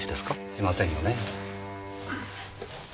しませんよねぇ。